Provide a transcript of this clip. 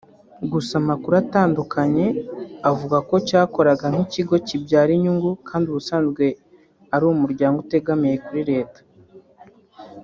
gusa amakuru atandukanye avugwa ko cyakoraga nk’ikigo kibyara inyungu kandi ubusanzwe ari umuryango utegamiye kuri Leta